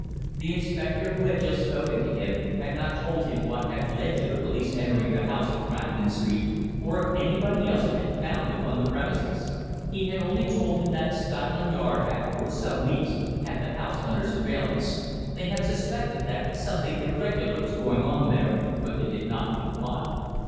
The Inspector who had just spoken to him had not told him what had led to the police entering the house in Grafton Street, or if anybody else had been found upon the premises. He had only told him that Scotland Yard had for some weeks had the house under surveillance they had suspected that something irregular was going on there, but they did not know what.